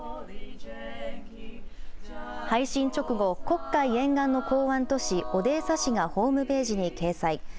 配信直後、黒海沿岸の港湾都市、オデーサ市がホームページに掲載。